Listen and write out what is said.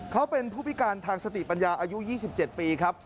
เขาเป็นผู้พิการทางสติปัญญาอายุ๒๗ปีครับ